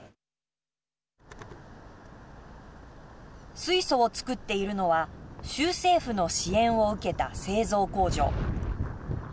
水素を作っているのは州政府の支援を受けた製造工場。